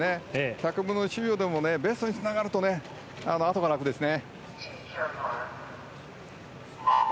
１００分の１秒でもベストにつながるとあとが楽ですね。